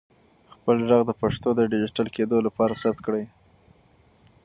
خپل ږغ د پښتو د ډیجیټل کېدو لپاره ثبت کړئ.